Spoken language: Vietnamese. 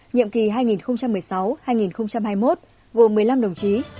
nhiệm kỳ hai nghìn một mươi sáu hai nghìn hai mươi một gồm một mươi năm đồng chí